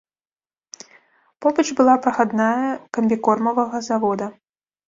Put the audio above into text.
Побач была прахадная камбікормавага завода.